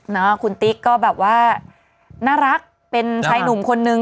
นะคุณติ๊กก็แบบว่าน่ารักเป็นชายหนุ่มคนนึง